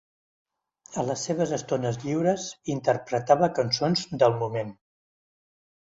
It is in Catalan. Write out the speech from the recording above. A les seves estones lliures interpretava cançons del moment.